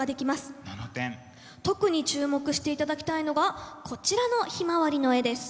特に注目していただきたいのがこちらの「ヒマワリ」の絵です。